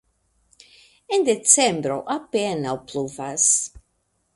En decembro apenaŭ pluvas.